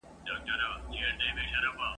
تاسو ولي د نجونو د زده کړو مخه نیسئ؟